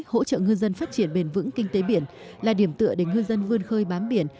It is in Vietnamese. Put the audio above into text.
hỗ trợ ngư dân phát triển bền vững kinh tế biển là điểm tựa để ngư dân vươn khơi bám biển